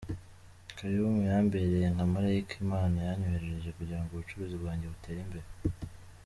Kaymu yambereye nka Malayika Imana yanyoherereje kugira ngo ubucuruzi bwanjye butere imbere.